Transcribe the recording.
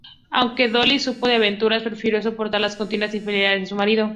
Aunque "Dolly" supo de sus aventuras, prefirió soportar las continuas infidelidades de su marido.